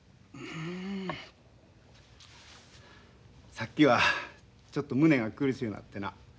さっきはちょっと胸が苦しゅうなってな。